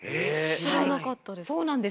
知らなかったです。